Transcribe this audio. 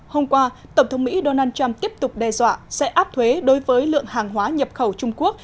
hôm qua tổng thống mỹ donald trump tiếp tục đe dọa sẽ áp thuế đối với lượng hàng hóa nhập khẩu trung quốc